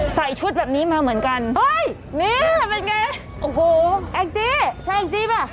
ใส่ชุดแบบนี้มาเหมือนกันเฮ้ยนี่เป็นไงโอ้โหแองจี้ใช่แองจี้ป่ะ